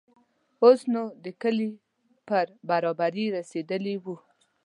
اوس نو د کلي پر برابري رسېدلي وو.